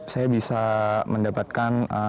saya bisa mendapatkan